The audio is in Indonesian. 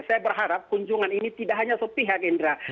saya berharap kunjungan ini tidak hanya sepihak indra